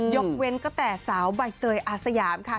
ยกเว้นก็แต่สาวใบเตยอาสยามค่ะ